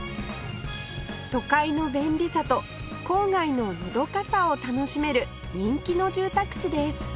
都会の便利さと郊外ののどかさを楽しめる人気の住宅地です